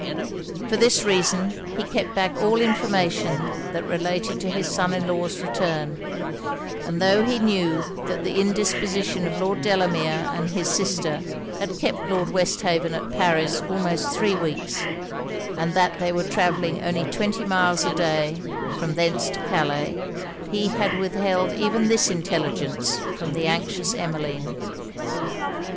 For this reason he kept back all information that related to his son in law's return; and tho' he knew that the indisposition of Lord Delamere and his sister had kept Lord Westhaven at Paris almost three weeks, and that they were travelling only twenty miles a day, from thence to Calais, he had withheld even this intelligence from the anxious Emmeline.